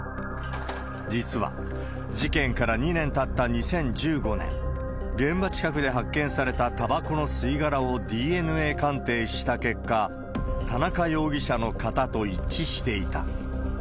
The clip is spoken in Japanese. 実は事件から２年たった２０１５年、現場近くで発見されたたばこの吸い殻をＤＮＡ鑑定した結果、田中容疑者の型と一致していた。